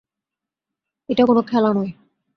এটা কোন খেলা নয়।